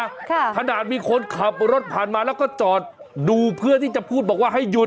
ค่ะขนาดมีคนขับรถผ่านมาแล้วก็จอดดูเพื่อที่จะพูดบอกว่าให้หยุด